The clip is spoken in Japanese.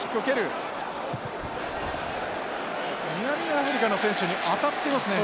南アフリカの選手に当たっていますね。